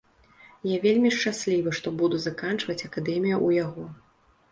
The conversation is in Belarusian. Я вельмі шчаслівы, што буду заканчваць акадэмію ў яго.